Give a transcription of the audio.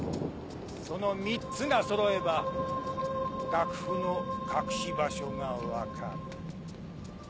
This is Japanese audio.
その３つがそろえば楽譜の隠し場所が分かる。